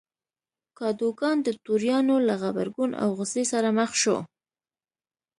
کادوګان د توریانو له غبرګون او غوسې سره مخ شو.